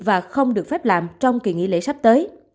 và không được phép làm trong kỳ nghỉ lễ sắp tới